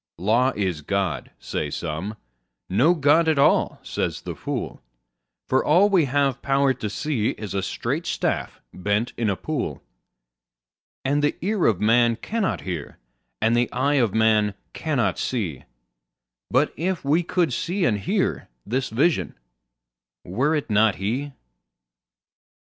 Law is God, say some: no God at all, says the fool; For all we have power to see is a straight staff bent in a pool; And the ear of man cannot hear, and the eye of man cannot see; But if we could see and hear, this Vision—were it not He?